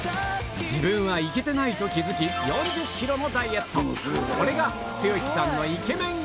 自分はイケてないと気付き４０ｋｇもダイエットこれが剛さんのイケメン